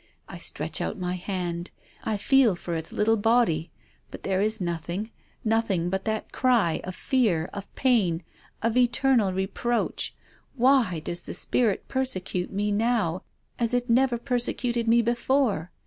I stretch out my hand. I feel for its little body. But there is nothing — nothing but that cry of fear, of pain, of eternal reproach. Why does the spirit persecute me now as it never persecuted me before?